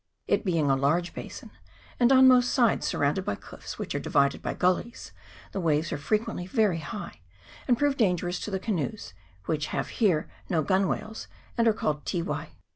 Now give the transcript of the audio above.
It being a large basin, and on most sides surrounded by cliffs, which are divided by gulleys, the waves are frequently very high, and prove dangerous to the canoes, which have here no gunwhales, and are called tiwai.